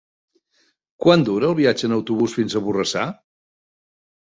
Quant dura el viatge en autobús fins a Borrassà?